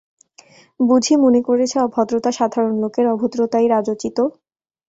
বুঝি মনে করেছে ভদ্রতা সাধারণ লোকের, অভদ্রতাই রাজোচিত।